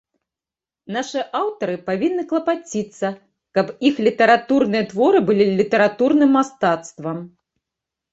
Нашы аўтары павінны клапаціцца, каб іх літаратурныя творы былі літаратурным мастацтвам.